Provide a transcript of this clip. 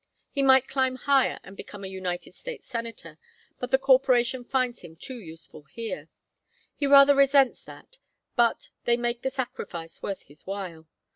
He might climb higher and become a United States Senator, but the corporation finds him too useful here. He rather resents that, but they make the sacrifice worth his while.